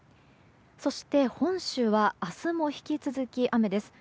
そして、本州は明日も引き続き雨です。